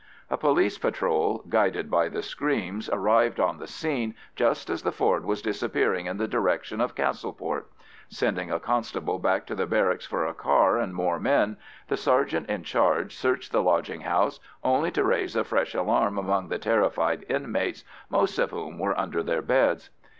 A police patrol, guided by the screams, arrived on the scene just as the Ford was disappearing in the direction of Castleport. Sending a constable back to the barracks for a car and more men, the sergeant in charge searched the lodging house, only to raise a fresh alarm among the terrified inmates, most of whom were under their beds.